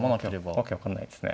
訳分かんないですね。